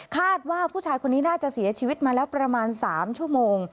คาดว่าผู้ชายคนนี้น่าจะเสียชีวิตมาแล้วประมาณ๓ชั่วโมง